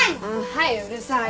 はいうるさい。